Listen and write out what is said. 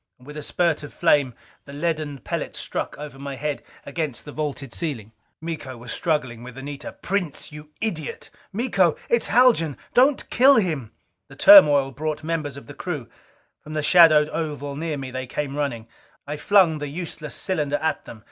With a spurt of flame the leaden pellet struck over my head against the vaulted ceiling. Miko was struggling with Anita. "Prince, you idiot!" "Miko, it's Haljan! Don't kill him " The turmoil brought members of the crew. From the shadowed oval near me they came running. I flung the useless cylinder at them.